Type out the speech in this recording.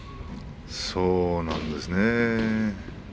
そうなんですね。